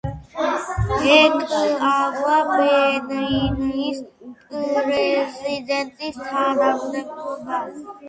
ეკავა ბენინის პრეზიდენტის თანამდებობა.